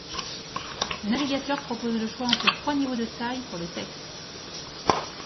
Le navigateur propose le choix entre trois niveaux de taille pour le texte.